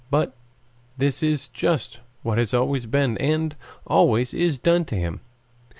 But this is just what has always been and always is done to him.